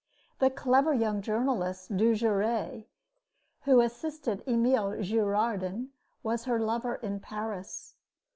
The clever young journalist, Dujarrier, who assisted Emile Girardin, was her lover in Paris.